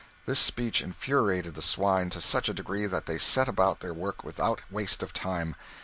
This speech infuriated the swine to such a degree that they set about their work without waste of time.